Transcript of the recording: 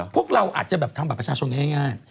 พวกเราอาจจะแบบทำบัตรประชาชนง่าย